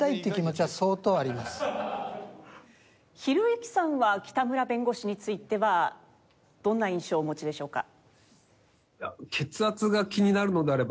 ひろゆきさんは北村弁護士についてはどんな印象をお持ちでしょうか？